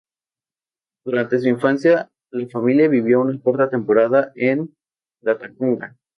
Durante su infancia, la familia vivió una corta temporada en Latacunga.